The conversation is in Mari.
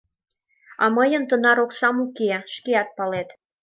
А мыйын тынар оксам уке, шкеат палет.